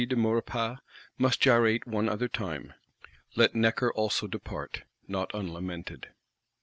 de Maurepas must gyrate one other time. Let Necker also depart; not unlamented.